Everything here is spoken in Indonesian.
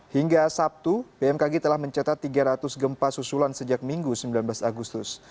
hingga sabtu bmkg telah mencatat tiga ratus gempa susulan sejak minggu sembilan belas agustus